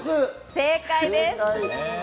正解です。